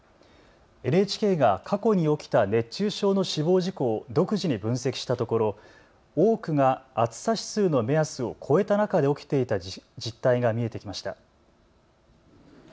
ＮＨＫが過去に起きた熱中症の死亡事故を独自に分析したところ、多くが暑さ指数の目安を超えた中で起きていた実態が見えてきました。